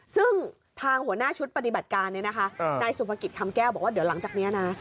ซึ่งทางหัวหน้าชุดปฏิบัติการเนี่ยนะคะนายสุภกิจคำแก้วบอกว่าเดี๋ยวหลังจากนี้นะ